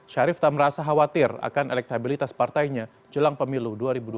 syarif tak merasa khawatir akan elektabilitas partainya jelang pemilu dua ribu dua puluh